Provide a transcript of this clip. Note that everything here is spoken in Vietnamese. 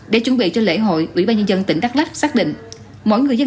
để chuẩn bị cho lễ hội ủy ban nhân dân tỉnh đắk lắc xác định mọi người dân